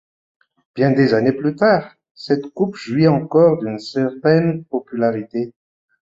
Bien des années plus tard, cette coupe jouit encore d'une certaine popularité.